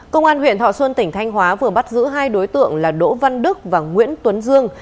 công an huyện thọ xuân tỉnh thanh hóa vừa bắt giữ hai đối tượng là đỗ văn đức và nguyễn tuấn dương